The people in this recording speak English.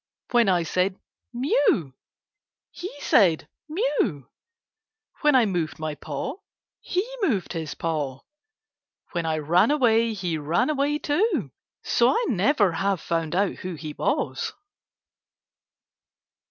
When I said ' Mew !' he said * Mew !' When I moved my paw, he moved his paw. When I ran away, he ran away too, so I never have found out who he was.